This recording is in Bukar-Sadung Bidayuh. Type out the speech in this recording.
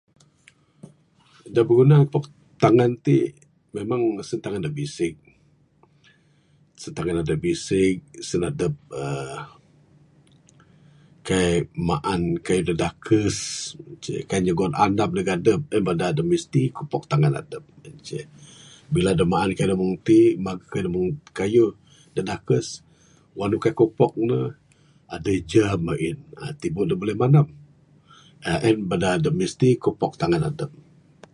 Da biguna kupok tangan ti memang mesti tangan da bisig sen tangan adep bisig sen adep uhh kaik maan kayuh da dakes ce kaik nyugon andam neg adep. En bada adep mesti kupok tangan adep en ce. Bila adep maan kayuh da meng ti mageh kayuh da meng ti. Kayuh tinakes Wang adep kaik kupok ne adeh germ ain tibu adep buleh mandam en bada adep mesti kupok tangan adep.